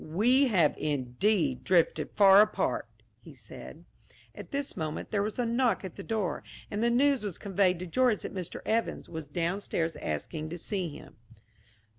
"We have indeed drifted far apart," he said. At this moment there was a knock at the door, and the news was conveyed to George that Mr. Evans was downstairs asking to see him.